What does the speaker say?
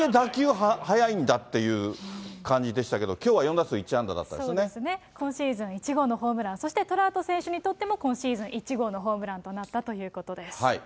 手速いんだっていう感じでしたけれども、きょうはそうですね、今シーズン１号のホームラン、そしてトラウト選手にとっても今シーズン１号のホームランとなったということです。